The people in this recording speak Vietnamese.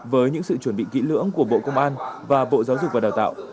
với những sự chuẩn bị kỹ lưỡng của bộ công an và bộ giáo dục và đào tạo